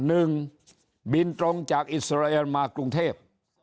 หนึ่งบินตรงจากอิสราเอลมากรุงเทพ